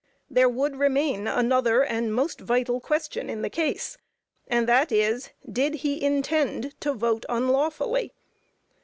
There would remain another and most vital question in the case, and that is, did he intend to vote unlawfully?